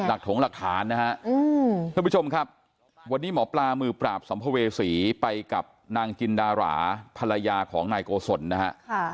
ถงหลักฐานนะฮะท่านผู้ชมครับวันนี้หมอปลามือปราบสัมภเวษีไปกับนางจินดาราภรรยาของนายโกศลนะฮะ